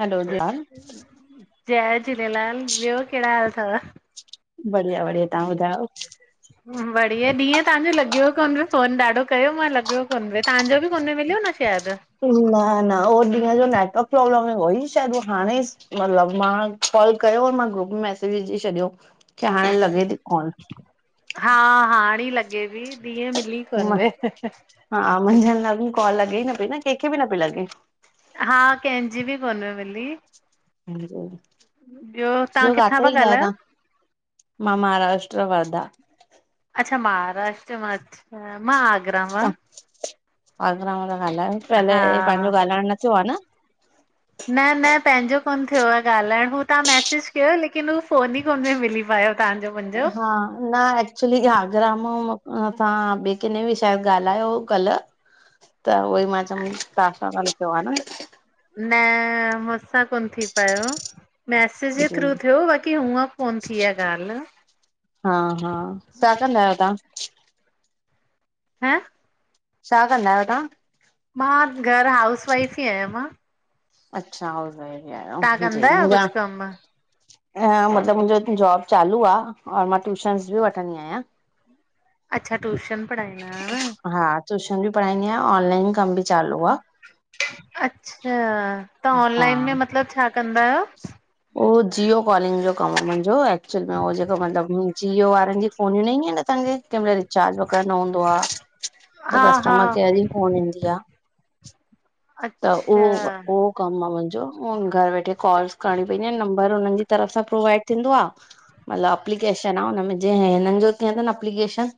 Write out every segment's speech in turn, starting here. Hello जय झूलेलाल। जय झूलेलाल, ॿियो केहिड़ा हाल थव? बढ़िया बढ़िया, तां ॿुधायो? बढ़िया, ॾींहं तव्हांजो लॻियो कोन पयो फोन, ॾाढो कयो मां लॻियो कोन पयो, तव्हांजो बि कोन्ह मिलियो न शायदि न न उहो ॾींहुं जो नेटवर्क प्रोब्लम हुई शायदि, उहा हाणे मतलबु मां कॉल कयो, मां ग्रुप में मैसेज विझी छॾियो कि हाणे लॻे थी काॅल। हा हाणे लॻे ती, ॾींहुं मिली कोन वे। हा मंझनि लाकुर कॉल लॻे ई न पई न, कंहिंखे बि न पेई लॻे। हा कंहिंजी बि कोन्हे मिली। जी [unintelligible] ॿियो तां किथां ता ॻाल्हायो? मां महाराष्ट्र, वर्धा। अच्छा महाराष्ट्र मां, अच्छा मां आगरा मां। तव्हां आगरा मां ता ॻाल्हायो, पहले हा पांहिंजो ॻाल्हाइण न थियो आ न! न न पंहिंजो कोन्ह थियो आ ॻाल्हाइण, हू तव्हां मैसेज क्यो हो लेकिन हू फ़ोन ई कोन्ह पे मिली पायो तहांजो। हा, न एक्चुली आगरा मां तां ॿिए केने ॿि शायद ॻाल्हायो हो कल्ल। त उहोई मां चयमि तहां सां कान थियो आ न! न मुस्सां कोन थी पायो हो। मैसेज ॼे न थ्रू थियो बाक़ी हुअं कोन थी आ ॻाल। हा हा, छा कंदा आहयो तां? हं छा कंदा आहियो तां? मां घर हाउस वाइफ़ ही आहियां मां। अच्छा, हाउस लाइफ ही तव्हां कंदा आहियो। कुझु कमु? अ मतिलबु मुंहिंजो जॉब चालू आ और मां ट्यूशनस ॿि वठंदी आहियां। अच्छा ट्यूशन पढ़ाईंदा आयो न। हा ट्यूशन ॿि पढ़ाईंदी आंयां, ऑनलाइन कम ॿि चालू आ। अच्छा त हा ऑनलाइन में मतलबु छा कंदा आहियो? ओ जियो कॉलिंग जो कमु आ मुंहिंजो, एक्चुअल में हो जेको मतिलबु जियो वारनि ॼी फोन्यूं न ईंदियु आइन असांखे केहिमल। चार्ज वग़ैरह न हूंदो आ त हा हा कस्टमर केयर जी फ़ोन ईंदी आ। त अच्छा उहो उहो कमु आ मुंहिंजो, घर वेठे कॉल्स करणी पइंदी आ, नंबर उनन जी तरफ़ सां प्रोवाइड थींदो आ। मतलबु अप्लीकेशन आ हुनमें जेहे हिननि जो थिये थो न अप्लीकेशन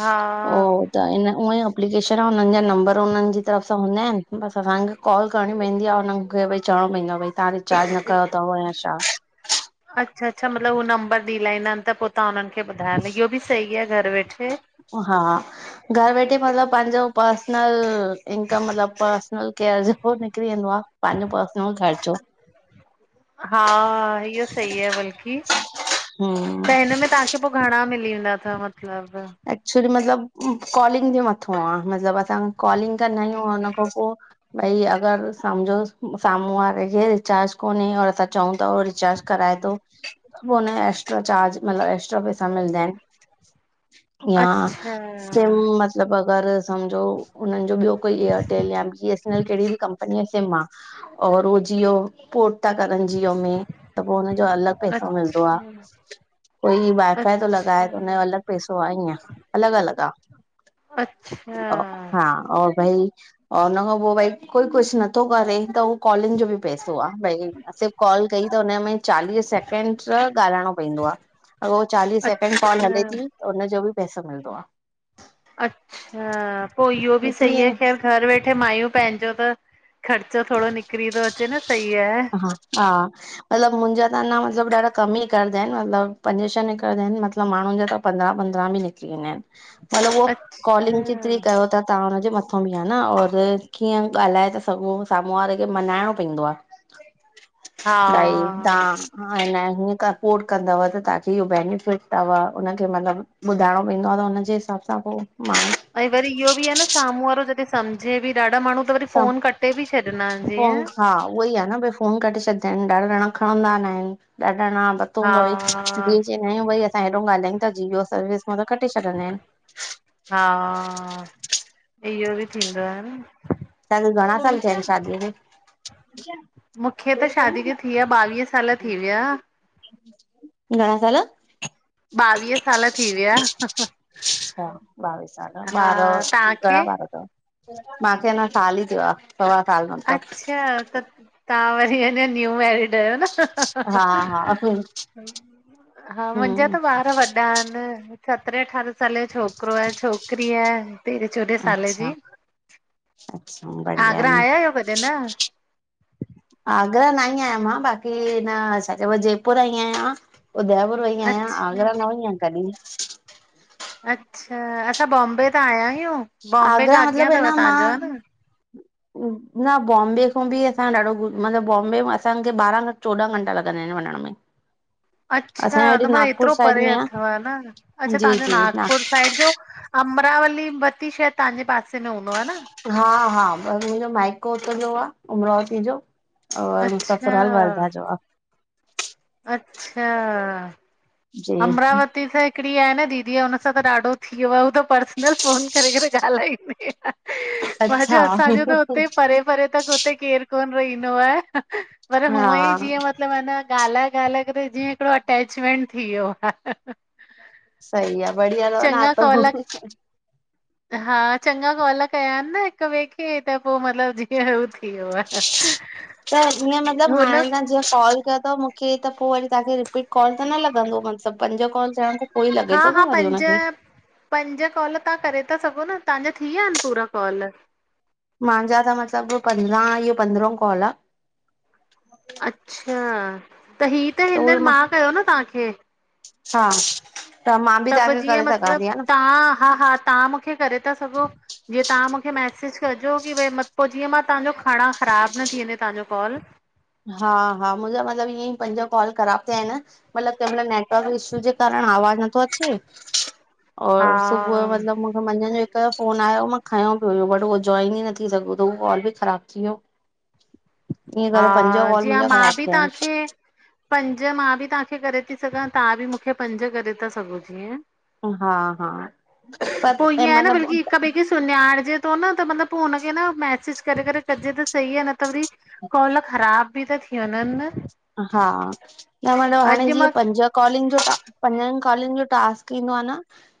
हा ओ त इन उअंई अप्लिकेशन आ हुननि जा नम्बर उननि जी तरफ़ सां हूंदा आइनि बसि असांखे कॉल करिणी पइंदी आ हुन्हनि खे भई चवणो पइंदो आ भई तव्हां रिचार्ज न कयो तव या छा। अच्छा अच्छा मतलबु हू नंबर ॾई लाईंदाआइन त पो तंहां हुननि खे ॿुधायो न इहो बि सही आहे घर वेठे। हा घर वेठे मतलबु पंहिंजो पर्सनल इन्कम मतलब पर्सनल केयर जो निकिरी वेंदो आ। पांहिंजो पर्सनल खर्चो। हा, इहो सही आहे बल्कि। हम्म त हिन में तहांखे पो घणां मिली वेंदा थव मतिलबु? एक्चुली मतिलबु कॉलिंग जे मथों आ मतिलबु असां कॉलिंग कंदा आहियूं औं उन्ह खां पो भई अगर सम्झो साम्हूं वारे खे रिचार्ज कोन्हे और असां चऊं ता हो रिचार्ज कराए तो पो हुन ॼा एक्स्ट्रा चार्ज मतिलबु एक्स्ट्रा पैसा मिलदा आहिन। या अच्छा सिम म मतिलबु अगरि सम्झो हुननि जो ॿियो कोई एयरटेल या बी एस एन ल कहिड़ी ॿि कंपनी जो सिम आ, और हो जियो पोर्ट ता करन जियो में त पो हुनजो अलॻि पैसो मिलदो आ। अच्छा कोई वाइफाए तो लॻाए त उन अच्छा ॼो अलग पैसो ईंअ अलॻिअलॻि अच्छा आ, हा और भई औ उन्ह खां पो भई कोई कुछ न थो करे त उओ कॉलिन्ग ॼो ॿि पैसो आ, भई सिर्फ कॉल कई त उनमें चालीह सैकिंडृ ॻाल्हाइणों पइंदो आ, अगर हो चालीह सैकिंड कॉल हले अच्छा ती त उन्हजो ॿि पैसो मिलदो आ। अच्छा पो इहो ॿि निकिरी सही आहे वें ख़ैर घर वेठे मायूं पंहिंजो त ख़र्चो थोड़ो निकिरी तो अच्चे न सही आए। हा। मतिलबु मुंहिंजा त अंञा मतिलबु ॾाढा कमु ई निरकरंदा आहिन मतिलबु पंज छह निकिरंदा आहिन मतिलबु माण्हुनि जा त पंद्रह पंद्रह भी निकरी वेंदा आहिन, मतलब उहो अच्छा कॉलिंग जेतरि कयो था त हुनजे मथां बि आ न और कीअं ॻाल्हाए था सघो साम्हूं वारे खे मंञांइणो पवंदो आ। हा भाईं ता [unintelligible] हा न हीअं सपोर्ट कंदव त तां खे इहो बेनिफिट थव हुनखे मतिलबु ॿुधाइणो पवंदो आ त हुनजे हिसाब सां पो माण्हू ऐं वरी इहो बि आ न साम्हूं वारो जॾहिं सम्झे बि ॾाढा माण्हू त वरी सभु फोन कटे बि छॾंदा ईन फोन जीअ हा उहो ई आ न भई फोन कटे छॾंदा आहिनि ॾाढा ॼणा खणंदा नहिनि ॾाढा ॼणा हूंदो हा चवंदा आहियूं भई असां हेॾो ॻाल्हायूं था जिओ सर्विस मा त कटे छॾंदा आहिनि हा इहो बि थींदो आ न तहां खे घणा साल थिया इन शादी खे मूंखे त शादी ते थी वया ॿावीह साल थी विया घणा साल ॿावीह साल थी विया हा बावीह साल ॿार हा तव्हांखे घणा ॿार मा खे अञा साल ही थियो आ सवा साल जो अच्छा त तव्हां वरी अञा न्यू मैरिड आहियो न ह हा हा ह हा मुंहिंजा त हम्म ॿार वॾा वॾा ईन सतरहें अठारहें साले जो छोकिरो ऐं छोकिरी आहे तेरहें चोॾहें साले अच्छा जी आगरा आया आहियो कॾहिं न च आगरा न आहियां मां बाक़ी न छा चयबो आ जयपुर आई आहियां उदयपुर वई आहियां अच्छा आगरा न वई आहियां कॾी अच्छा असां बॉम्बे त आया आहियूं बॉम्बे आगरा खां अॻियां मतिलबु ह अथव न मां तव्हांजो आ न न बॉम्बे खां बि असां ॾाढो मतिलबु बॉम्बे में असांखे ॿाराहं खां चोॾहा घंटा लॻंदा आहिनि वञण में अच्छा असांजे हेॾे मां नागपुर एतिरो साइड परे में अथव न अच्छा आहे जी तव्हांजो जी नाग नागपुर साइड जो अमरावती शायद तहांजे पासे में हूंदव आ न हा हा बस मुंहिंजो माइको हुता जो आ अमरावती जो और मुहिजो ससुराल अच्छा वर्दा जो आ अच्छा जी अमरावती सां हिकिड़ी आहे न दीदी आहे हुन सां त ॾाढो थी वियो आ हू त पर्सनल फोन करे करे ॻाल्हाईंदी आ मां अच्छा चयो असांजो त हुते परे परे त हुते केर कोन रहींदो आ पर हुअं ई हा जीअं मतलबु अन गालाए ॻाल्हाए करे जीअं हिकिड़ो अटेचमेंट थी वियो आह सही आ बढिया तव न कॉल अथो हा चङा कॉल कया आहिनि न हिक ॿिए खे त पोइ मतलबु जीअं हू थी वियो आ त ईअं मतलब हाणे त जीअं कॉल कयो अथव मूंखे त पोइ वरी तव्हांखे रिपीट कॉल त न लॻंदो मतिलबु पंजो कॉल थियण पोइ ई लॻे हा थो हा न वरी पंज हुनखे पंज कॉल तव्हां करे था सघो न तव्हांजा थी वया आहिन पूरा कॉल मुंहिंजा त मतिलबु पंद्रहा इहो पंद्रहो कॉल आ अच्छा त हीअ त हियर मां कयो न तहांखे हा मां बि त पोइ तव्हांखे जीअं करे सघां मतिलबु थी हा न तव्हां हा हा तव्हां मूंखे करे था सघो जीअं तव्हां मूंखे मैसेज कजो की भई जीअं मां तव्हांजो खणा ख़राबु न थी वञे तव्हांजो कॉल हा हा मुंहिंजा मतिलबु ईअं ई पंज कॉल ख़राब थिया आहिन मतलब केमल नेटवर्क इश्यू जे कारण आवाज नथो अचे हा और सुबुअयो मतिलब मां मंझन जो हिकु यो फोन आयो मां खयो बि हुयो बट उहो जॉइन ही न थी सघो त उहो कॉल बि ख़राबु थी वियो। ईअं ॻालाए हा जीअं मां बी तांखे पंज मां बि तहांखे करे थी सघां तहां बि मूंखे पंज करे था सघो। जीअं आहिनि हा हा पर पो ऐं ईयं आ न मतिलबु बल्की हिक ॿे खे सुॾाणिजे थो न त मतिलब पो हुनखे न मैसेज करे करे कजे त सही आहे न त वरी कॉल ख़राब भी ता थी वञन न? हा, न मतलब हाणे अॼु जीअं मां पंज कॉलिंग जो टा, पंजनि कॉलिंग जो टास्क ईंदो आ न।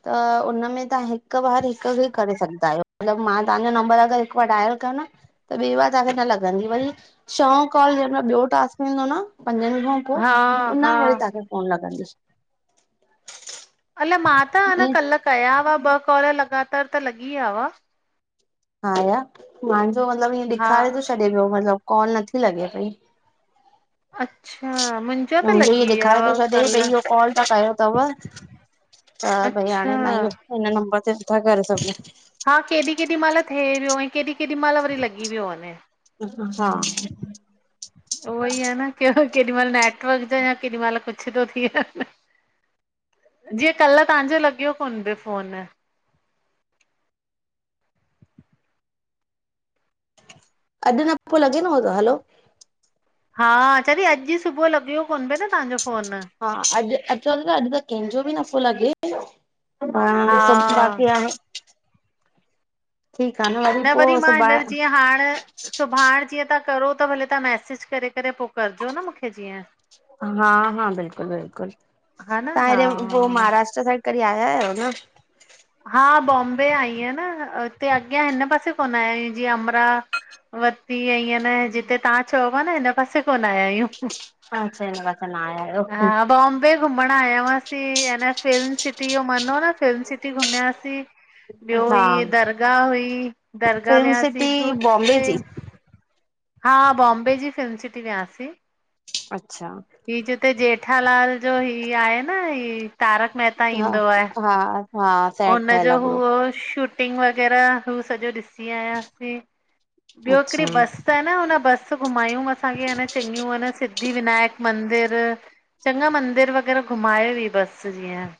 त उन में तहां हिकु बार हिकु खे करे सघदा आहियो, मतलब मां तव्हांजो नंबर अगर हिकु बार डायल कयो न त ॿे बार तव्हांखे न लॻंदी, वरी छओं कॉल जेमल ॿिओ टास्क थींदो न पंजन खां पो, हा उन मां हा वरी तहांखे फोन लॻंदीस। अलाए मां त अन, कल् कयावा ॿ कॉल लॻातार त लॻी विया हुआ। हा या मांजो मतलब इअं हा ॾेखारे थो छॾे पियो, मतलब कॉल नथी लॻे पई। अच्छा मुंहिंजो न त मुंजो इहो लॻी विया ॾेखारे हुआ थो छॾिये, त कल्ह इहो कॉल तहां कयो तव। त भई अच्छा हाणे न इहो हिन नंबर ते नथा करे सघूं हा केॾी केॾी महिल थी वियो, ऐं केॾी केॾी महिल वरी लॻी वियो वञे। हा। उहोई आ न। केॾी महिल नेटवर्क जो या, केॾी महिल कुछ थो थी वञे। जीअं कल् तहांजो लॻियो कोन प्यो फोन। अॼु न पो लॻे ऊओ न हो त हलो हा चरी, अॼु सुबुह लॻियो कोन पियो न तहांजो फोन। हा अॼु अचो न अॼु त केंजो बि नफ़ो लॻे। बा ह हा सभ बाक़ी आहे। ठीक आ न। न वरी पोइ मां हिनर सुभाणे जीअं हाण सुभाण जीअं तहां करो त, भले तव्हां मैसेज करे करे पो करजो न मूंखे जीअं। हा हा बिल्कुलु बिल्कुलु, हा न तव्हां हा हेॾे पोइ महाराष्ट्र साइड कॾी आयायो न? हा बॉम्बे आईं आहियां न हुते अॻियां हिन पासे कोन आयायूं, जीअं अमरा वती अईं ऐन, जिते तहां चओ प्या न हिन पासे कोन आया आहियूं। अच्छा हिन प न आहिया हा बोम बे घुमण आया हुयासीं ऐंन फिल्म सिटी जो मन हो न फिल्म सिटी घुमयासीं। ॿियो हा हीय दरगाह हुई, दरगाह फिल्म वियासीं सिटी पो बॉम्बे जी। हा बॉम्बे जी फिल्म सिटी वियासीं। अच्छा। ही जिते जेठालाल जो ही आहे न ही तारक मेहता हा ईंदो आहे। हा हा। सेट उन ठहियल जो आहे पूरो हुओ शूट टिंग वगेरा हू सॼो ॾिसी आयासीं, ॿियो अच्छा हिक्ड़ी बस आ न हुन बस घुमायूं असांखे, हन चंॻियूं हन सिद्धि विनायक मंदिर चंॻा मंदिर वग़ैरह घुमाए वई बस जीअं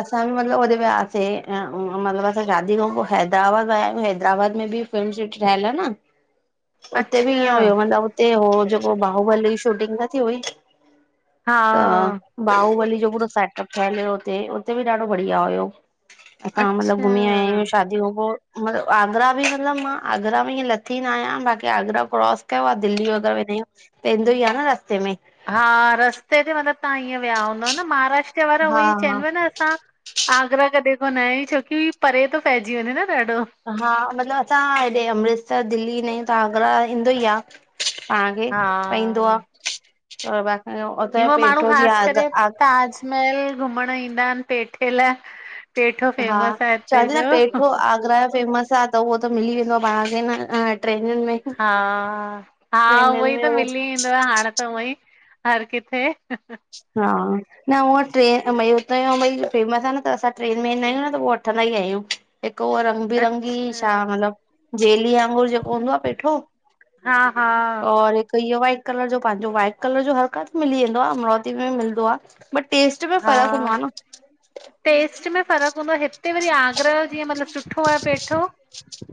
असां बि मतलब होॾे वियासे ऐं मतलब असां शादी खां पोइ हैदराबाद विया आहियूं। हैदराबाद में भी फिल्म सिटी ठयल आ न हुते बी ईअं अच्छा हुयो, मतिलबु हुते हो जेको बाहुबली जी शूटिंग न थी हुई। हा त, बाहुबली जो पूरो सेटअप ठहियल हुयो हुते, हुते बि ॾाढो बढ़िया हुयो। असां मतलब अच्छा घुमी आया आहियूं शादी खां पोइ। मतलब आगरा बि मतलब मां आगरा में ईअं लथी न आहियां बाक़ी आगरा क्रॉस कयो आहे दिल्ली वग़ैरह वेंदा आहियूं। त इंदो ही आ न रस्ते में। हा रस्ते ते मतलबु तव्हां ईअं विया हूंदव न, महाराष्ट्र वारा हा उहो ई हा चवनि पिया न असां आगरा कॾहिं कोन आया आहियूं। छो कि परे तो पहिजी वञे न ॾाढो। हा मतिलब असां हेॾे अमृतसर दिल्ली इन्दा आहियूं त आगरा ईंदो ई आ। पाण खे पाईंदो हा आ, और बाक़ी हुतां जो हुअं माण्हू पेठो जी ख़ासि आग करे आग ताजमहल घुमण ईंदा आहिनि पेठे लाए। हा, चवां ती न पेठो आगरा फेमस आ। त उहो त मिली वेंदो आहे। पाण खे न ट्रेनियुनि में। हा, हा उहो ट्रेनियुनि ई में त मिली वेंदो आ त हाणे त उहे ई, हर किथे हा, ना उहें ट्रेन में ट्रेन में ही फेमस आहे न त असां ट्रेन में ईंदा आहियूं न पोइ वठंदा ई आहियूं। हिकु और आ रबरंगी अच्छा छा मतलब जेेली वांगुर जेको हूंदो आहे पेठो हा हा और हिकु इहो आहे। कलर जो पंहिंजो वाइट कलर जो हर काथे मिली वेंदो आहे। अमरावती में मिलंदो आ। बट टेस्ट में हा फर्क हूंदो आ न। टेस्ट में फ़र्कु हूंदो आहे हिते वरी आगरा जीअं मतलब सुठो आहे पेंठो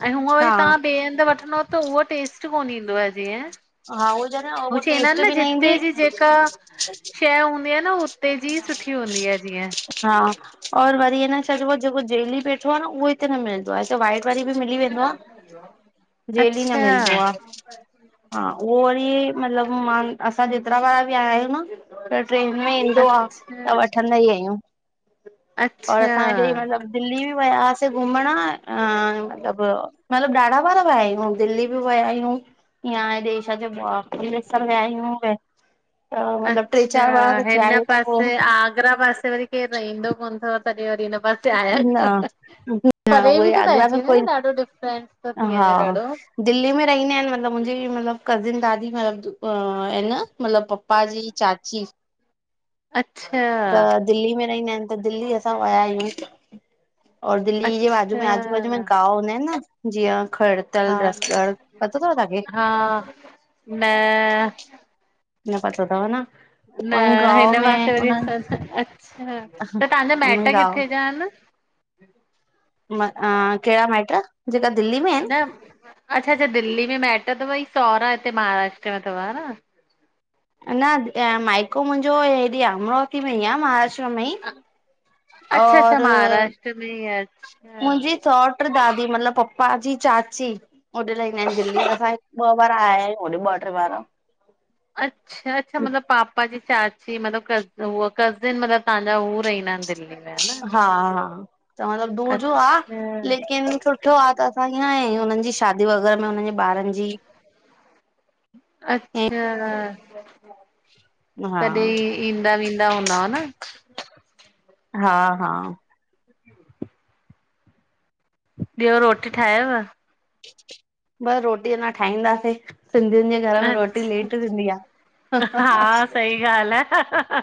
ऐं हूअं वरी हा तव्हां ॿिए हंधि वठंदव त उहो टेस्ट कोन ईंदो आहे जीअं हा उहो ज न उहे उहो चवन्दा आहिनि टेस्ट न बि जिते ईंदी जी जेका, शइ हूंदी आहे न उते जी सुठी हूंदी आहे जीअं। हा, और वरी अन छा चइबो आहे जेको जेेली पेठो आहे न उहो हिते न मिलंदो वाइट वारी बि मिली वेंदो आहे। जेली न मिलंदो आ। अच्छा हा उहो वरी मतलब मां असां जेतिरा बार बि आया आहियूं न त ट्रेन में ईंदो आ त अच्छा वठंदा ई आहियूं। और अच्छा असां हेॾे मतिलबु दिल्ली बि विया से घुमण ऐं मतिलब मतिलबु ॾाढा ॿार विया आहियूं। दिल्ली बि विया आहियूं। या हेॾे छा चइबो आ अमृतसर विया आहियूं। ऐं मतिलब ट्रे चार बार अच्छा त थिया हिन आहियूं त पासे पोइ आगरा पासे वरी केर रहंदो कोन अथव। तॾहिं वरी हिन पासे आहिया न कोन। न परे बि उहे थो आगरा में पइजी वञे कोई थो ॾाढो डिफरेंट। थी हा वञे दिल्ली में रहिंदा आहिनि मतलबु मुंहिंजी मतलब कज़िन दादी मतलब आहे न मतलब प पप्पा जी चाची अच्छा त दिल्ली में रहंदा आहिनि त दिल्ली असां विया आहियूं। और दिल्ली जे आजू अच्छा में आजू बाजू में गांव हूंदा आहिनि न, जीअं खड़ हा दलदसगड़ पतो तव तव्हांखे? हा न न पतों तव न्। न हिंन पासे वरी असांजा हह्हं अच्छा त ताहांजा माइट उन गांव किथे जा आंहन। म अ्अ केड़ा माएट्र! ज़ेका दिल्ली में। आहिनि न, अच्छा-अच्छा दिल्ली में माइट्र रवई, साॅवरा हिते महाराष्ट्र में तव हन्। न मायको मुहिंजो हेॾे आ अमरावती में ई आ महाराष्ट्र त में अच्छा अच्छा और महाराष्ट्र में ई अच्छा मुहिंजी सौंट पर दादी मतलब पप्पा जी चाची, होॾे रहिंदा आहिन दिल्ली त असां ॿ पर आयां यू होॾे ॿ ट्रे बार। अच्छा-अच्छा मतलब पापा जी चा ची मतलब हूअ कज़िन मतलब तहांजा हो रहंदा आहिन दिल्ली। में न हा, हा त मतलब दूर जो आ अच्छा लेकिन ॾिठो आह त असां ईंअं आया यूं हुनन जी शादी वग़ैरह में हुनन जे बारन जी! अच्छा हा तॾई ईंदा वींदा हूंद्व न। हां-हां [inaudible] ॿयो रोटी ठायव। बस् रोटी अञां ठाहींदासीं सिंधियुन जे घर में रोटी अच्छा लेट थींदी आह ह् ह् हा ह् सही ॻाल्हि आहे